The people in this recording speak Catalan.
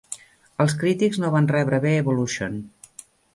Els crítics no van rebre bé "Evolution".